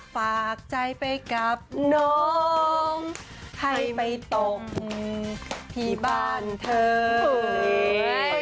ฝากใจไปกับน้องให้ไปตกที่บ้านเธอ